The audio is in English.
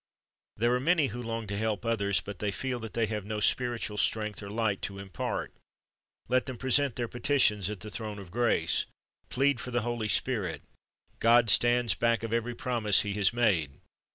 "' There are many who long to help others, but they feel that they have no spiritual strength or light to impart. Let them present their petitions at the throne of grace. Plead for the Holy Spirit. God stands back of every promise He has made.